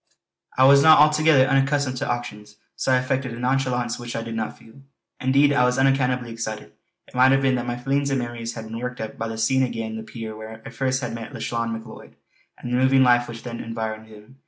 I was not altogether unaccustomed to auctions, so I affected a nonchalance which I did not feel. Indeed, I was unaccountably excited. It might have been that my feelings and memories had been worked up by the seeing again the pier where first I had met Lauchlane Macleod, and the moving life which then had environed him.